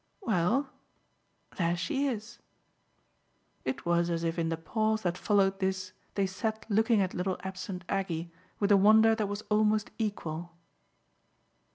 "Well, there she is." It was as if in the pause that followed this they sat looking at little absent Aggie with a wonder that was almost equal.